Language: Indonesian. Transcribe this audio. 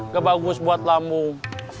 gak bagus buat lambung